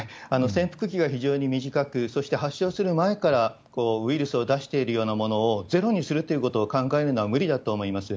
潜伏期が非常に短く、そして発症する前からウイルスを出しているようなものを、ゼロにするということを考えるのは無理だと思います。